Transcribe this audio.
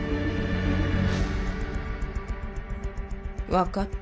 分かった。